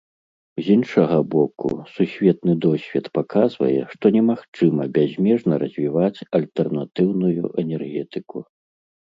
З іншага боку, сусветны досвед паказвае, што немагчыма бязмежна развіваць альтэрнатыўную энергетыку.